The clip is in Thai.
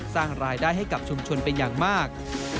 สร้างรายได้ให้กับชุมชนเป็นอย่างมาก